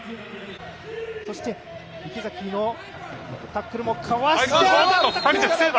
そして池崎のタックルも交わして。